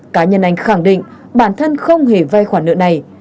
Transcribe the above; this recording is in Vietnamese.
cá nhân anh khẳng định bản thân không hề vay khoản nợ này